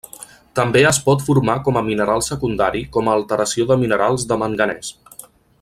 També es pot formar com a mineral secundari com a alteració de minerals de manganès.